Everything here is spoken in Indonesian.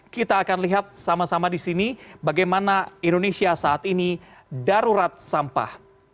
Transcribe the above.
kita akan lihat sama sama di sini bagaimana indonesia saat ini darurat sampah